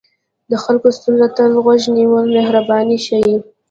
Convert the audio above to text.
د خلکو ستونزو ته غوږ نیول مهرباني ښيي.